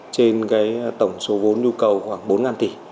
trên tổng số vốn nhu cầu khoảng bốn tỷ